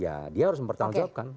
ya dia harus mempertanggung jawabkan